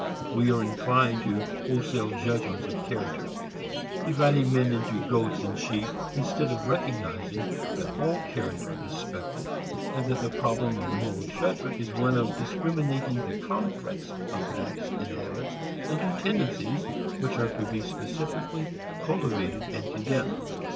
We are inclined to wholesale judgments of character, dividing men into goats and sheep, instead of recognizing that all character is speckled, and that the problem of moral judgment is one of discriminating the complex of acts and habits into tendencies which are to be specifically cultivated and condemned.